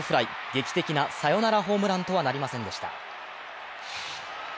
劇的なサヨナラホームランとはなりませんでした。